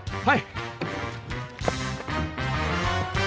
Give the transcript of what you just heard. はい。